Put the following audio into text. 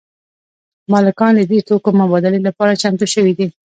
مالکان د دې توکو مبادلې لپاره چمتو شوي دي